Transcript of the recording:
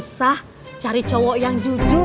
susah cari cowok yang jujur